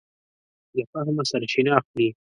له فهمه سرچینه اخلي.